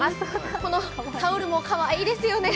このタオルもかわいいですよね。